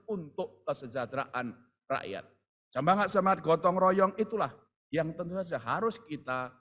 untuk kesejahteraan rakyat semangat semangat gotong royong itulah yang tentu saja harus kita